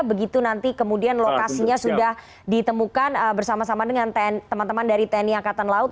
begitu nanti kemudian lokasinya sudah ditemukan bersama sama dengan teman teman dari tni angkatan laut